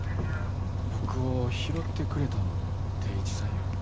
僕を拾ってくれたんも定一さんや。